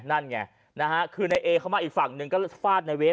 นั่นไงนะฮะคือในเอเข้ามาอีกฝั่งหนึ่งก็ฟาดในเวฟ